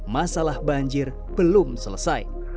masalah banjir belum selesai